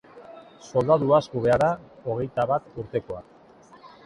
Soldadu asko behar da, hogeita bat urtekoak.